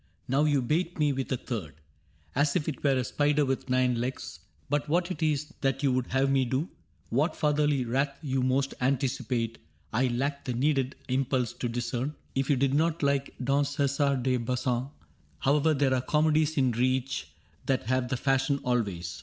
Now you bait me with a third — As if it were a spider with nine legs ; But what it is that you would have me do. What fatherly wrath you most anticipate, I lack the needed impulse to discern. 32 CAPTAIN CRAIG If you did not like Don Cesar de Bazan^ However, there are comedies in reach That have the fashion always.